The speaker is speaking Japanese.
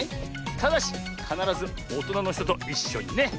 ただしかならずおとなのひとといっしょにね！